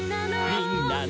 「みんなの」